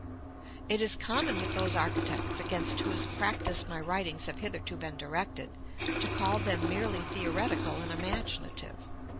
It is common with those architects against whose practice my writings have hitherto been directed, to call them merely theoretical and imaginative.